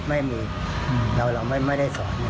ไม่มีเราไม่ได้สอน